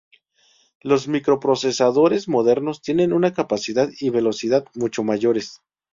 Los microprocesadores modernos tienen una capacidad y velocidad mucho mayores.